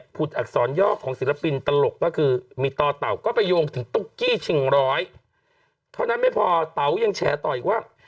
อักษรย่อของศิลปินตลกก็คือมีต่อเต่าก็ไปโยงถึงตุ๊กกี้ชิงร้อยเท่านั้นไม่พอเต๋ายังแฉต่ออีกว่า